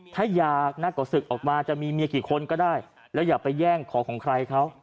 ถ้าอยากนักกว่าศึกออกมาจะมีเมียกี่คนก็ได้แล้วอย่าไปแย่งของของใครเขา